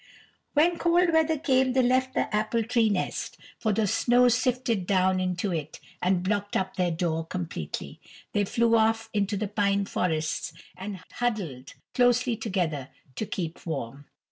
When cold weather came they left the apple tree nest, for the snow sifted down into it and blocked up their door completely. They flew off into the pine forests, and huddled closely together to keep warm.